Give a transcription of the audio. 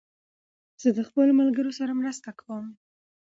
زه د خپلو ملګرو سره مرسته کوم.